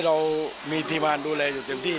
เรามีทีมงานดูแลอยู่เต็มที่